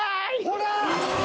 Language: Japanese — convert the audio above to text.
ほら。